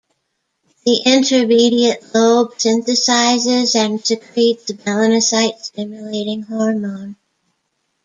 The intermediate lobe synthesizes and secretes melanocyte-stimulating hormone.